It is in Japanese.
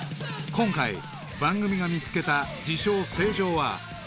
［今回番組が見つけた自称成城は］